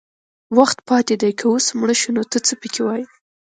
وخت پاتې دی که اوس مړه شو نو ته څه پکې وایې